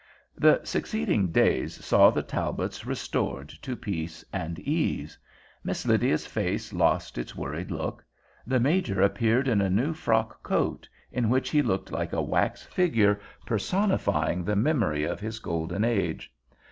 The succeeding days saw the Talbots restored to peace and ease. Miss Lydia's face lost its worried look. The major appeared in a new frock coat, in which he looked like a wax figure personifying the memory of his golden age.